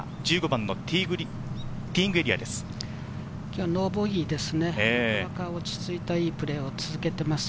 １５番のティーイングエリアです。